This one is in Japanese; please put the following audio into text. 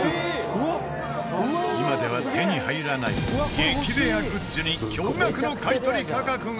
今では手に入らない激レアグッズに驚愕の買取価格が！